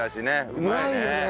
うまいよね！